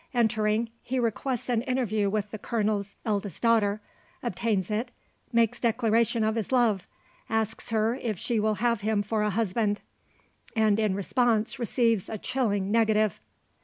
Entering, he requests an interview with the colonel's eldest daughter; obtains it; makes declaration of his love; asks her if she will have him for a husband; and in response receives a chilling negative.